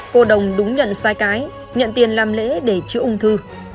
cô đồng đúng nhận sai cái nhận tiền làm lễ để chữa ung thư